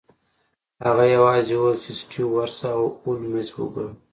هغه یوازې وویل چې سټیو ورشه او هولمز وګوره